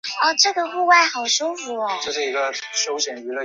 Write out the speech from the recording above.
巢由放置在泥或底部鸡蛋的网络的沙覆盖。